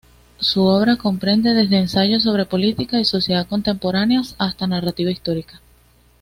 Su obra comprende desde ensayos sobre política y sociedad contemporáneas hasta narrativa histórica.